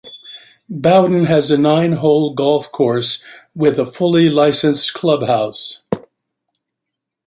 Bowden has a nine-hole golf course with a fully licensed clubhouse.